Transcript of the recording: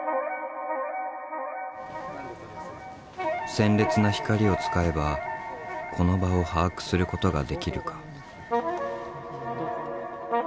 鮮烈な光を使えばこの場を把握することができるか。